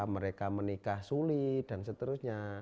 mereka menikah sulit dan seterusnya